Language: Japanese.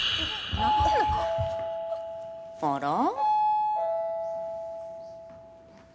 あら？